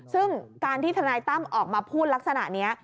ซึ่งการที่ทนายตั้มออกมาพูดลักษณะนี้